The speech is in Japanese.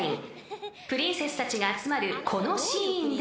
［プリンセスたちが集まるこのシーンで］